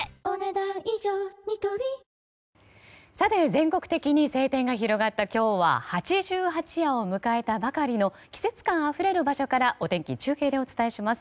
全国的に晴天が広がった今日は八十八夜を迎えたばかりの季節感あふれる場所からお天気、中継でお伝えします。